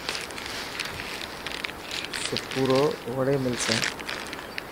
سپورو وڙي ملسان.